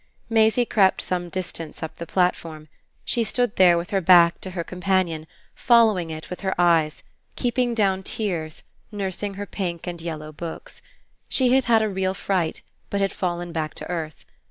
Maisie crept some distance up the platform; she stood there with her back to her companion, following it with her eyes, keeping down tears, nursing her pink and yellow books. She had had a real fright but had fallen back to earth.